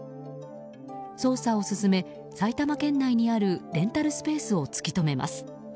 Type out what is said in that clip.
捜査を進め、埼玉県内にあるレンタルスペースを突き止めます。